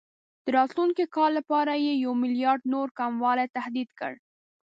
د راتلونکي کال لپاره یې یو میلیارډ نور کموالي تهدید کړ.